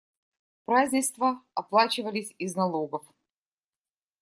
Празднества оплачивались из налогов.